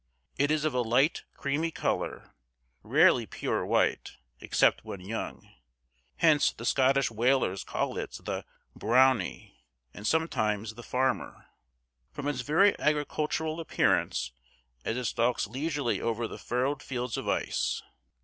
It is of a light, creamy color, rarely pure white, except when young, hence the Scottish whalers call it the 'brounie' and sometimes the 'farmer,' from its very agricultural appearance as it stalks leisurely over the furrowed fields of ice.